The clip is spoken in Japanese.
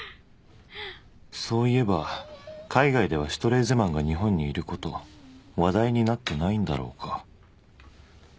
そういえば海外ではシュトレーゼマンが日本にいること話題になってないんだろうか？